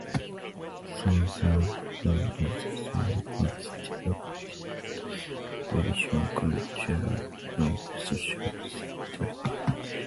San Salvador is a small, but still active religious, cultural and social centre.